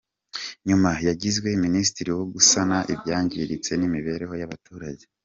Nyuma yagizwe Minisitiri wo gusana ibyangiritse n’imibereho y’abaturage.